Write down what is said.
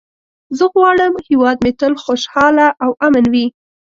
زه غواړم هېواد مې تل خوشحال او امن وي.